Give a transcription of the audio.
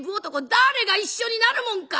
誰が一緒になるもんか！